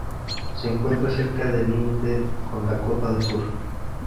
Se encuentra cerca del límite con Dakota del Sur.